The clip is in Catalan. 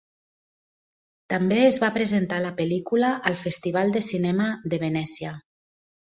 També es va presentar la pel·lícula al Festival de Cinema de Venècia.